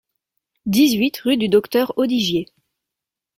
dix-huit rue du Docteur Audigier